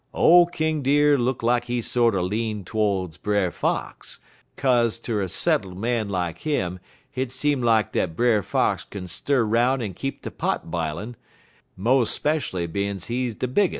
Ole King Deer look lak he sorter lean todes Brer Fox, kaze ter a settle man like him, hit seem lak dat Brer Fox kin stir 'roun' en keep de pot a b'ilin', mo' speshually bein's he de bigges'.